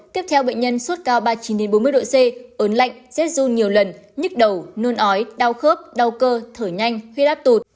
tiếp theo bệnh nhân suốt cao ba mươi chín bốn mươi độ c ốn lạnh rét run nhiều lần nhức đầu nôn ói đau khớp đau cơ thở nhanh huyết áp tụt